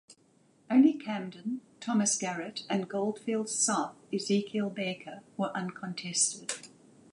Only Camden (Thomas Garrett) and Goldfields South (Ezekiel Baker) were uncontested.